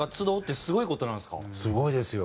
すごいですよ。